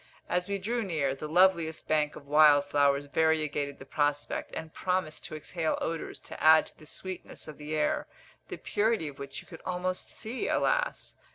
As we drew near, the loveliest banks of wild flowers variegated the prospect, and promised to exhale odours to add to the sweetness of the air, the purity of which you could almost see, alas!